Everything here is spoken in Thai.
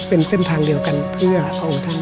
เป็นเส้นทางเดียวกันเพื่อพระองค์ท่าน